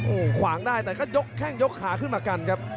โอ้โหขวางได้แต่ก็ยกแข้งยกขาขึ้นมากันครับ